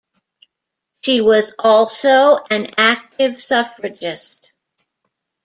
She was also an active suffragist.